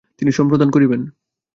তিনি সম্প্রদান করিবেন।